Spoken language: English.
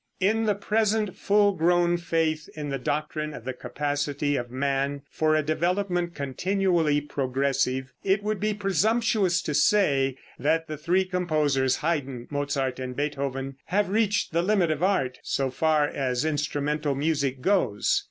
In the present full grown faith in the doctrine of the capacity of man for a development continually progressive, it would be presumptuous to say that the three composers, Haydn, Mozart and Beethoven, have reached the limit of art, so far as instrumental music goes.